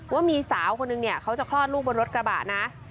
ว่ามีสาวคนนึงเนี่ยเขาจะคลอดลูกบนรถกระบะนะ